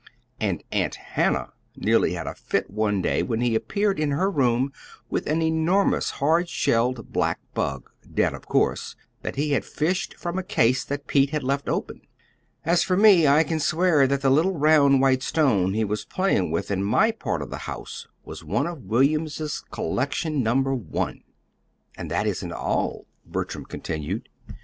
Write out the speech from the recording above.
And Aunt Hannah nearly had a fit one day when he appeared in her room with an enormous hard shelled black bug dead, of course that he had fished from a case that Pete had left open. As for me, I can swear that the little round white stone he was playing with in my part of the house was one of William's Collection Number One. "And that isn't all," Bertram continued.